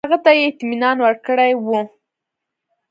هغه ته یې اطمینان ورکړی وو.